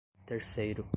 terceiro